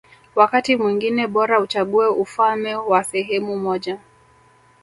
Wakati mwingine bora uchague ufalme wa sehemu moja